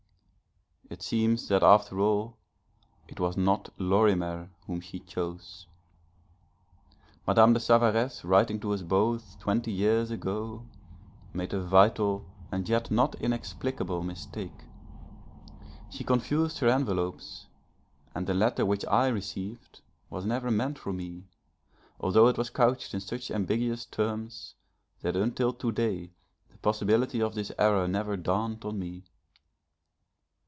It seems that after all it was not Lorimer whom she chose. Madame de Savaresse writing to us both twenty years ago, made a vital and yet not inexplicable mistake. She confused her envelopes, and the letter which I received was never meant for me, although it was couched in such ambiguous terms that until to day the possibility of this error never dawned on me.